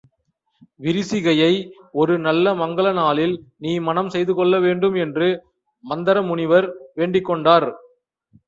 விரிசிகையை ஒரு நல்ல மங்கல நாளில் நீ மணம் செய்து கொள்ளவேண்டும் என்று மந்தரமுனிவர் வேண்டிக் கொண்டார்.